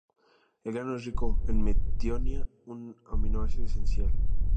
El grano es rico en metionina, un aminoácido esencial.